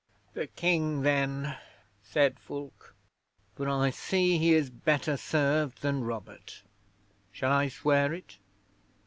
'"The King, then," said Fulke, "for I see he is better served than Robert. Shall I swear it?"